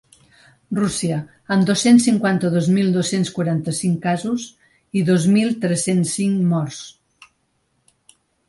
Rússia, amb dos-cents cinquanta-dos mil dos-cents quaranta-cinc casos i dos mil tres-cents cinc morts.